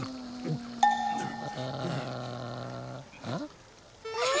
ああ。